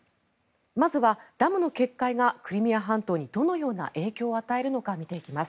まずはダムの決壊がクリミア半島にどのような影響を与えるのか見ていきます。